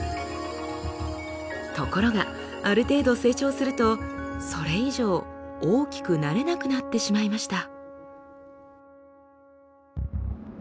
ところがある程度成長するとそれ以上大きくなれなくなってしまいました。